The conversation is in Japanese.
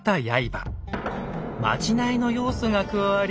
呪いの要素が加わり